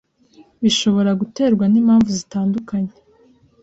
bishobora guterwa n’impamvu zitandukanye